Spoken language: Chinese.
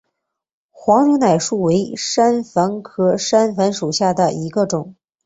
黄牛奶树为山矾科山矾属下的一个种。